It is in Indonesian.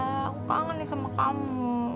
aku kangen nih sama kamu